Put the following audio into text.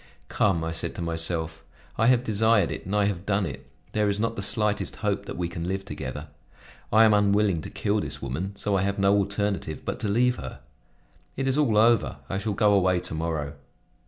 "Come," I said to myself, "I have desired it, and I have done it; there is not the slightest hope that we can live together; I am unwilling to kill this woman, so I have no alternative but to leave her. It is all over; I shall go away to morrow."